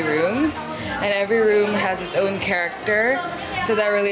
dan setiap ruang memiliki karakter sendiri